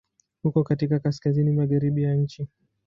Uko katika kaskazini-magharibi ya nchi.